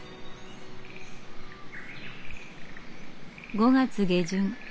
５月下旬。